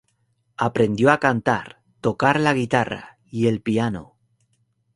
Aprendió a cantar, tocar la guitarra y el piano.